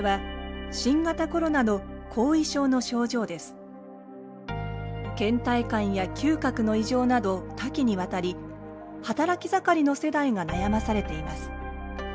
これはけん怠感や嗅覚の異常など多岐にわたり働き盛りの世代が悩まされています。